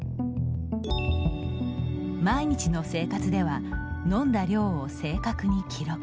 毎日の生活では飲んだ量を正確に記録。